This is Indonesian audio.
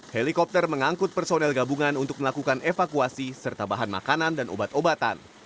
helikopter mengangkut personel gabungan untuk melakukan evakuasi serta bahan makanan dan obat obatan